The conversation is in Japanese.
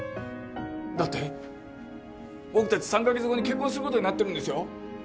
だって僕達３カ月後に結婚することになってるんですよ